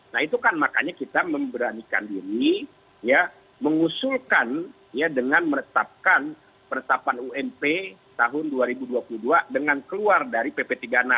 nah itu kan makanya kita memberanikan diri ya mengusulkan ya dengan meretapkan penetapan ump tahun dua ribu dua puluh dua dengan keluar dari pp tiga puluh enam